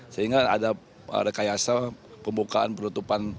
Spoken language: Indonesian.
sehingga ada rekayasa pembukaan penutupan